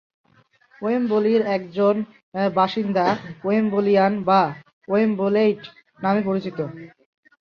ওয়েম্বলির একজন বাসিন্দা "ওয়েম্বলিয়ান" বা "ওয়েম্বলেইট" নামে পরিচিত।